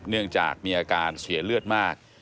เนื่องจากมีอาการเสียเลือดมาก